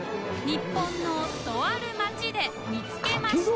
稙椶とある町で見つけました